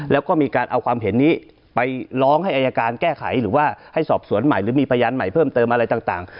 แล้วก็มีการเอาความเห็นนี้ไปร้องให้อายการแก้ไขหรือว่าให้สอบสวนใหม่หรือมีพยานใหม่เพิ่มเติมอะไรต่าง